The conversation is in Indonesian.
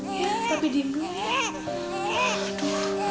iya tapi dimulai